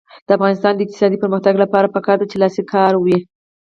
د افغانستان د اقتصادي پرمختګ لپاره پکار ده چې لاسي کار وي.